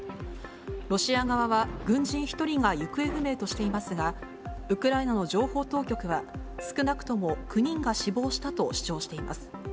ロシア側は軍人１人が行方不明としていますが、ウクライナの情報当局は、少なくとも９人が死亡したと主張しています。